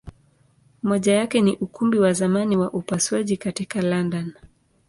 Moja yake ni Ukumbi wa zamani wa upasuaji katika London.